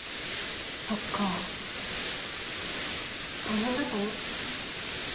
そっか大変だったね。